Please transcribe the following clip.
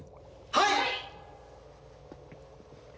はい！